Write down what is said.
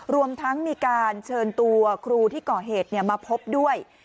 รวมทั้งมีการเชิญตัวครูที่ก่อเหตุมาพบด้วย